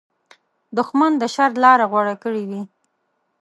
دښمن د شر لاره غوره کړې وي